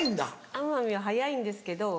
奄美は早いんですけど。